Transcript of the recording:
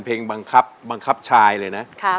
เพลงนี้สี่หมื่นบาทค่ะอินโทรเพลงที่สาม